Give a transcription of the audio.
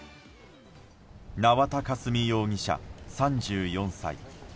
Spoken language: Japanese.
縄田佳純容疑者、３４歳。